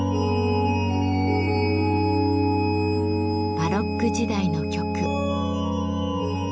バロック時代の曲。